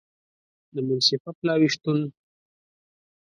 د منصفه پلاوي شتون